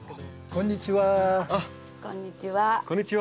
こんにちは。